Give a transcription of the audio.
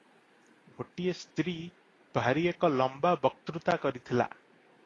ଗୋଟିଏ ସ୍ତ୍ରୀ ଭାରି ଏକ ଲମ୍ବା ବକ୍ତୃତା କରିଥିଲା ।